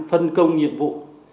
phân công nhiệm vụ